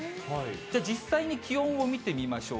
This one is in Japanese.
じゃあ実際に気温を見てみましょう。